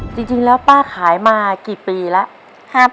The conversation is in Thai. จริงแล้วป้าขายมากี่ปีแล้ว